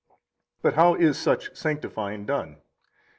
37 But how is such sanctifying done?